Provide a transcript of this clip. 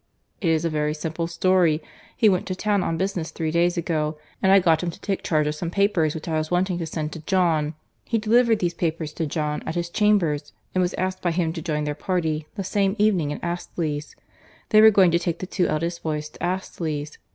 "It is a very simple story. He went to town on business three days ago, and I got him to take charge of some papers which I was wanting to send to John.—He delivered these papers to John, at his chambers, and was asked by him to join their party the same evening to Astley's. They were going to take the two eldest boys to Astley's.